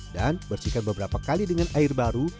dan bersihkan beberapa kali dengan air baru